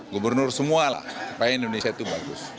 gubernur semua lah supaya indonesia itu bagus